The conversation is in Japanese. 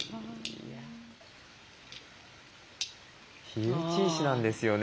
火打ち石なんですよね。